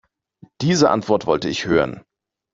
Diese Antwort wollte ich hören.